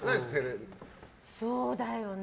そうだよね。